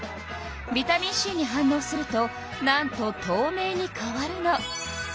ビタミンＣに反のうするとなんととうめいに変わるの。